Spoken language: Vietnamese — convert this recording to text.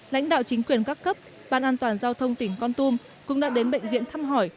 lãnh đạo chính quyền các cấp ban an toàn giao thông tỉnh con tum cũng đã đến bệnh viện thăm hỏi